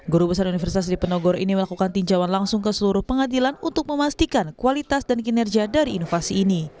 guru besar universitas dipenogor ini melakukan tinjauan langsung ke seluruh pengadilan untuk memastikan kualitas dan kinerja dari inovasi ini